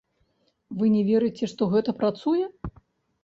Вы не верыце, што гэта працуе?